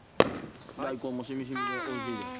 大根もしみしみでおいしいです。